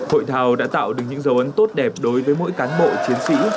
hội thảo đã tạo được những dấu ấn tốt đẹp đối với mỗi cán bộ chiến sĩ